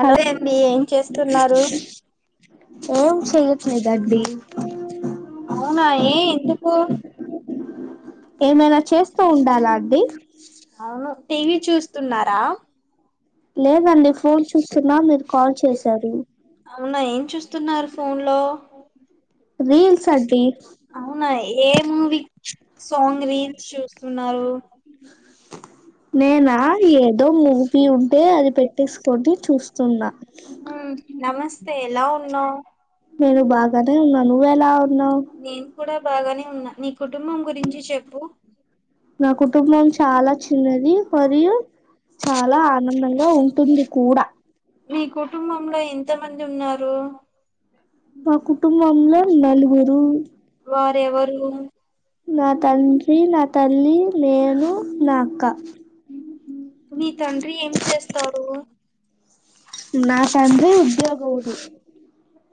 అంతే అండి ఏం చేస్తున్నారు, అవునా ఏ ఎందుకు అవును టీవీ చూస్తున్నారా. లేదండి ఫోన్ చూస్తున్నా మీరు కాల్ చేశారు. ఫోన్ లో అవునా ఏ మూవీ సాంగ్ రీల్స్ చూస్తున్నారు. నేనా ఏదో మువి ఉంటే అది పెట్టేస్ పోండి చూస్తున్నా నేను కూడా బాగానే ఉన్నా నీ కుటుంబం గురించి చెప్పు నా కుటుంబం చాలా చిన్నది. మరియు చాలా ఆనందంగా ఉంటుంది కూడా రు మా కుటుంబంలో నలుగురు నా తండ్రి, నా తల్లి, నేను నా అక్క నీ తండ్రి ఏం చేస్తారు. నా తండ్రి ఉద్యోగం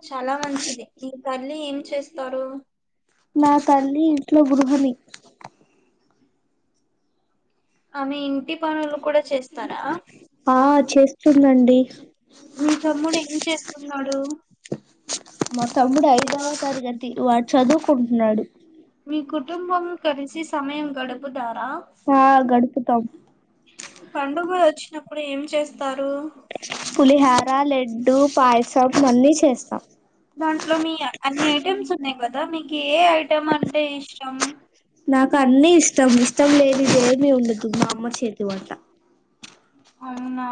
చాలా మంచిది నీ తల్లి ఏం చేస్తారు నా తల్లి ఆమె ఇంటి పనులు కూడా చేస్తారా. ఆ చేస్తుందండి. మీ తమ్ముడు ఏం చేస్తున్నాడు. మీకు కుటుంబం కలిసి సమయం గడుపుదా ఆ గడుపుతాం పులిహర, లడ్డు, పాయసం అన్నీ చేస్తాం మీకు ఏ ఐటెమ్ అంటే ఇష్టం. నాకు అన్నీ ఇష్టం ఇష్టం లేని ఏమి ఉండదు. మా అమ్మ చేతి వంట. అవునా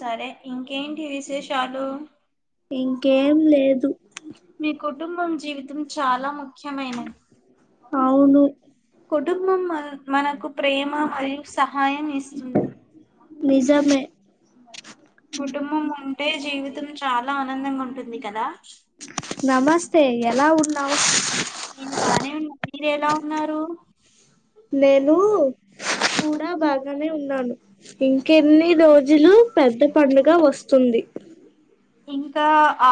సరే ఇంకేంటి విశేషాలు మీ కుటుంబం జీవితం చాలా ముఖ్యమైనది. కుటుంబం మ మనకు ప్రేమ మరియు సహాయం ఇస్తుం కుటుంబం ఉంటే జీవితం చాలా ఆనందంగా ఉంటది నేను బానే ఉన్నాను మీరు ఎలా ఉన్నారు. నేను కూడా బాగానే ఉన్నాను ఇంకెన్ని రోజులు పెద్ద ఏ పండుగ వస్తుంది. పండుగ ఇంక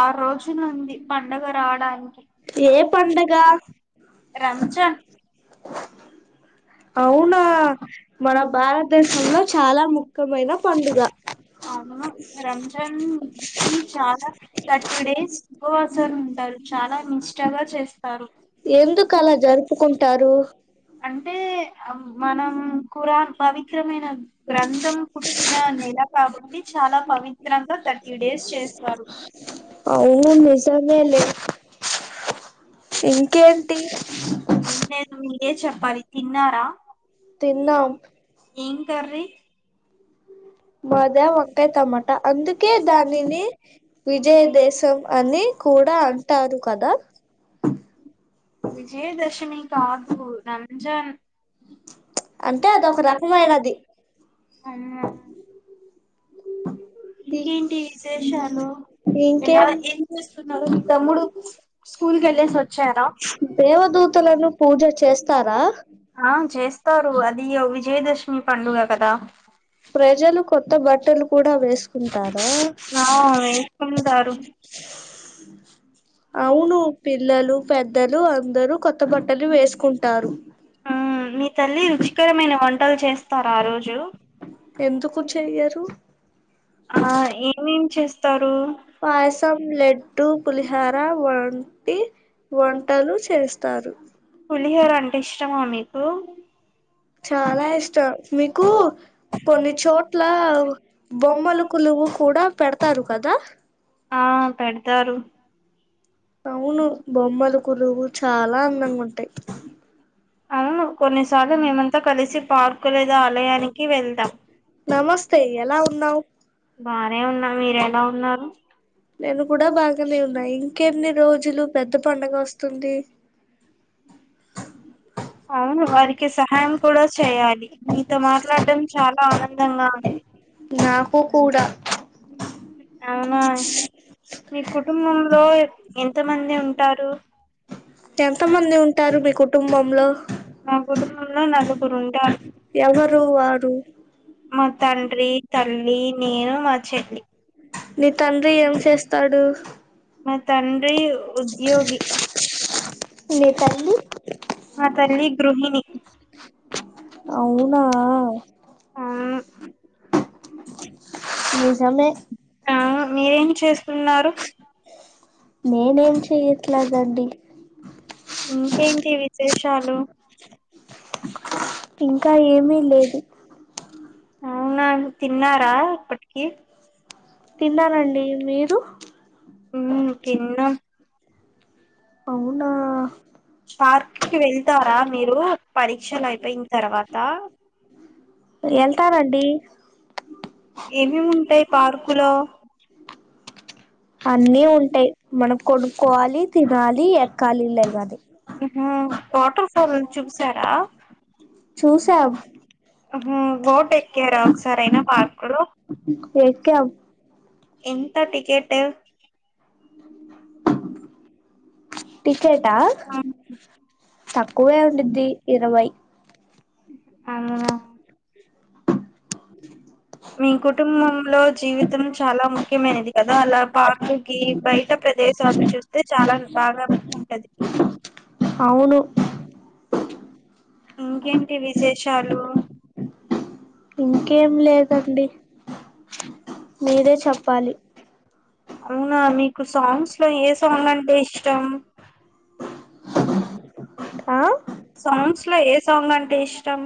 ఆరు రోజులు ఉంది పండుగ రావడానికి ఏ పండగ రంజాన్ అవునా మన భారతదేశంలో చాలా ముఖ్యమైన పండుగ అవును రంజాన్ కి చాలా థర్టీ డేస్ ఉపవాసాలు ఉంటారు. చాలా నిష్టగా చేస్తారు. అన్ మనం ఖురాన్ పవిత్రమైన గ్రంథం పుట్టిన నెల కాబట్టి చాలా పవిత్రంగా థర్టీ డేస్ చేస్తారు అవును నిజమేలే ఇంకేంటి ఏం లేదు నువ్వే చెప్పాలి తిన్నారా తిన్నా ఏం కర్రీ మాద వంకాయ టమాటా అందుకే దానిని విజయదేశం అని కూడా అంటారు కదా అంటే అదొక రకమైనది ఇంకేంటి విశేషాలు ఎలా ఏం చేస్తున్నారు తమ్ముడు స్కూల్ కి వెళ్ళేసి వచ్చారు దేవదూతలకు పూజలు చేస్తారా ఆ చేస్తారు అది విజయదశమి పండుగ పద ప్రజల కొత్త కొత్త బట్టలు కూడా వేసుకుంటారా ఆ వేసుకుంటారు అవును పిల్లలు పెద్దలు అందరూ కొత్త బట్టలు వేసుకుంటారు ఆ మీ తల్లి రుచికరమైన వంట తలచే తర్ ఆ రోజు ఎందుకు చెయ్యరు ఆ ఏమేమి చేస్తారు పాయసం లేదా టూ పులిహార వంటి వంటలు చేస్తారు పులిహర అంటే ఇష్టమా మీకు చాలా ఇష్టం మీకు కొన్ని చోట్ల బొమ్మలు కొలువు కూడా పెడతారు కదా అవును బొమ్మలు కొలువు చాలా అందంగా ఉంటాయి కొన్నిసార్లు మేమంతా కలిసి పార్క్ లేదా ఆలయానికి వెళ్తాం ఏ ఏలా ఉన్నావు బానే ఉన్నా మీరెలా ఉన్నారు నేను కూడా బాగానే ఉన్నా ఇంకెన్ని రోజులు పెద్ద పండగ వస్తుంది అవును వారికి సహాయం కూడా చేయాలి. మీతో మాట్లాడటం చాలా ఆనందంగా ఉంది. అవునా మీ కుటుంబంలో ఎంతమంది ఉంటారు. మ్లో మా కుటుంబంలో నలుగురు ఉంటారు. మా తండ్రి, తల్లి, నేను మా చెల్లి మా తండ్రి ఉద్యోగి మీ తల్లి, మా తల్లి తురుములు [inaudible] అవునా నిజమే నేనేం చెయట్లేదండి. ఇంకేటి విశేషాలు ఇంకా ఏమీ లేదు. అవునా తిన్నారా బ ఏ తిన్నరండి మీరు ఉ తిన్న పార్క్ కి వెళ్తారా, మీరు పరీక్షలు అయిపోయిన తర్వాత ఏమేమీ ఉంటాయి పార్కులో అన్నీ ఉంటాయి మనం కొనుక్కోవాలి. తినాలి, ఎక్కాలి లేవ [inaudible] ఊ వాటర్ ఫాల్ చూసారా, చూసాం బోట్ ఎక్కారా ఒక్క సారయినా పార్కులొ ఎక్కం. ఎంత టికెట్? [unintelligible] టికెట్ ఆ తక్కువే ఉండిద్ది ఇరవై మీ కుటుంబంలో జీవితం చాలా ముఖ్యమైనది కదా. అలా పాకుకి బయట ప్రదేశాలు చూస్తే చాలా బాగా బాగుంటది. ఇంకేంటి విశేషాలు ఇంకేం లేదండి. [unintelligible] మీరే చెప్పాలి. అవునా అ మీకు స మ్స్ లో ఏ సాంగ్ అంటే ఇష్టం. ఆ సాంగ్స్ లో ఏ సాంగ్ అంటే ఇష్టం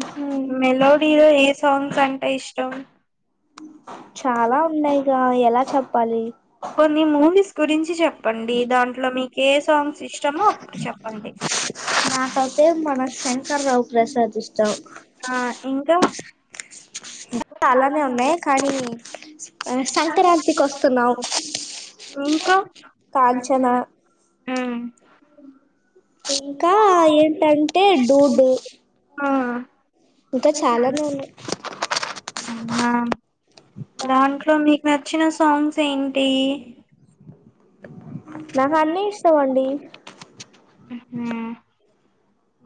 మ్మ్ మెలోడీలో ఏ సాంగ్స్ అంటే ఇష్టం చాలా ఉన్నాయిక ఎలా చెప్ పాలి కొన్ని మూవీస్ గురించి చెప్పండి దాంట్లో మీకు ఏ సాంగ్స్ ఇష్టమో అప్పుడు చెప్పండి నాకైతే మన శంకర రావు ప్రసాద్ ఇష్టాం చాలనే ఉన్నాయి కానీ ఆ సంక్రాంతికి వస్తున్నాం కాంచనా మ్మ్ ఇంకా ఏంటంటే డూడు ఇంకా చాలానే ఉన్నాయి అవునా దాంట్లో మీక్ నచ్ వచ్చిన సాంగ్స్ ఏంటి నాకు అన్నీ ఇష్టం అండి హ్మ్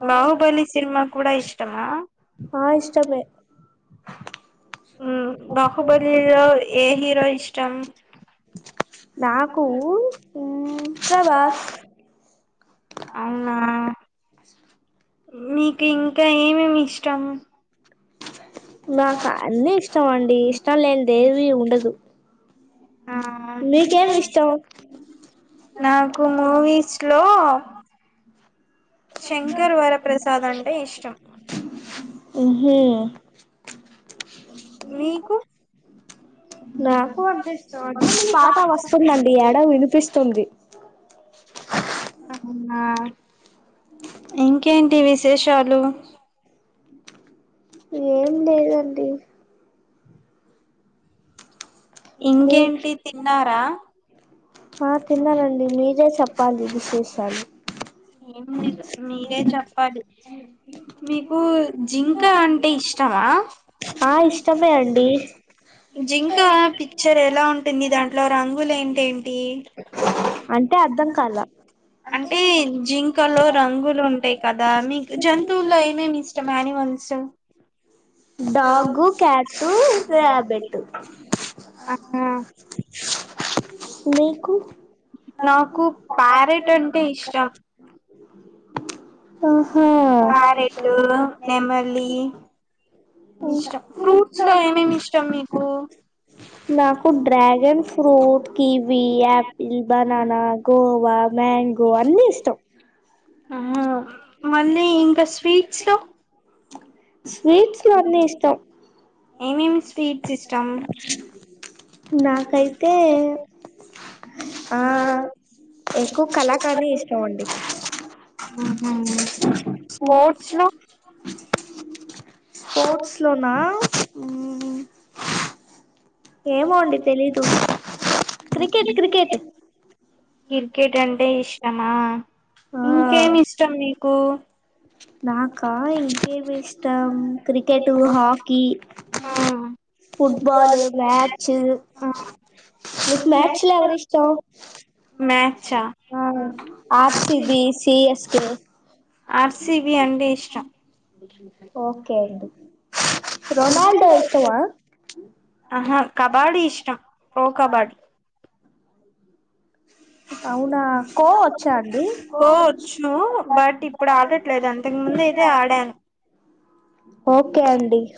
బాహుబలి సినిమా కూడా ఇష్టమా ఆ ఇష్టమే మ్మ్ బహుబలిలో ఏ హీరో ఇష్టం నాకు ప్రభాస్ అవునా మీకు ఇంకా ఏమేమి ఇష్టము నాకు అన్నీ ఇష్టం అండి ఇష్టం లేన్ దేవి ఉండదు నాకు మూవీస్ లో శంకర్ వరప్రసాద్ అంటే ఇష్టం నాకు అనిపిస్తాం అంటే పాత వస్తుందండి ఈ ఏడ వినిపిస్తుంది ఇంకేంటి విశేషాలు ఏం లేదండి ఇింగేంటి తిన్నార ఆ తిన్ననండి మీరే చెప్పాలి విశేషాలు ఇ మీకు జింకా అంటే ఇష్టమా జింకా పిక్చర్ ఎలా ఉంటుంది దాంట్లో రంగ్ు పు్వులు ఏంటేంటి అంటే అర్థం కాలా డాగు క్యాట్ రయాబెట్ ఆహా నాకు ప్యారెట్ అంటే ఇష్టం ఆహా నాకు dragon fruit kiwi apple banana guava mango అన్నీ ఇష్టం ఆ మళ్ళీ ఇంకా స్వీట్స్ లో స్వీట్స్ వన్న ఇష్టం ఏమేమి స్వీట్ సిస్టమ్ ఆ ఎక్కువ కళాకారిని ఇష్టం అండి హ్మ్ హ్ స్పోర్ట్స్ లో స్పోర్ట్స్ లోనా ఆ ఏమో అండి తెలీదు [inaudible] క్రికెట్ అంటే ఇష్టమా ఇంకేమి ఇష్టం మీకు నాకా ఇంకేం ఇష్టం క్రికెట్ హాకీ ఫుట్బాల్ మ్యాచ్ నీకు మ్యాచ్ లో ఎవరిష్టం మ్యాచ్ ఆ RCB CSK R C C B అంటే ఇష్టం ఓకే రొనాల్డో ఇష్టమా ఆహా కబాడీ ఇష్టం ప్రో కబాడీ కో వచ్చు బట్ ఇప్పుడు ఆడట్లేదు అంతకు ముందు అయితే ఆడాను ఓకె అండి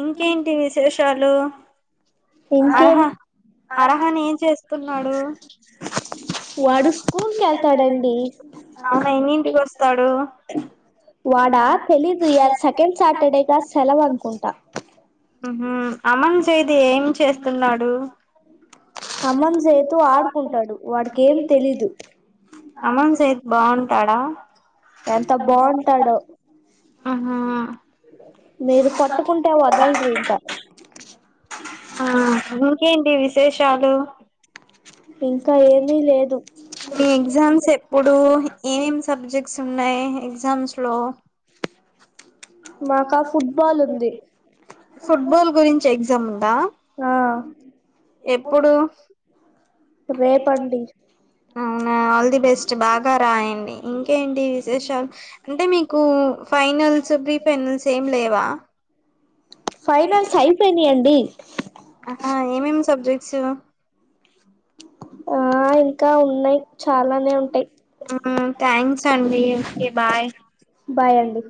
ఇంకేంటి విశేషాలు అర్హ అర్హన్ ఏం చేస్తున్నాడు వాడు స్కూల్ కెళ్తాడండీ వాడా తెలీదు ఇయ్యాల సెకండ్ సాటర్డేగా సెలవు అనుకుంటా ఆహ అమన్ చైతూ ఏం చేస్తున్నాడు అమన్ సైద్ బాం టడా ఎంత బాగుంటాడో ఆహా మీరు పట్టుకుంటే వదల్రింక ఆ ఇంకేంటి విశేషాలు ఇంకా ఏమీ లేదు మీ ఎగ్జామ్స్ ఎప్పుడూ ఏమేం ఏమేం సబ్జెక్ట్స్ ఉన్నాయి ఎగ్జామ్స్ హలో మాకా ఫుట్బాల్ ఉంది ఆ రేపండి అవునా ఆల్ ది బెస్ట్ బాగా రాయండి ఇంకేంటి విశేషాలు అంటే మీకు ఫైనల్స్ ప్రీఫైనల్స్ ఏం లేవా ఫైనాన్స్ అయిపోయినా అండి ఆహా ఏమేమి సబ్జెక్ట్స్ ఆ ఇంకా ఉన్నాయి చాలానే ఉంటాయి బాయ్ అండి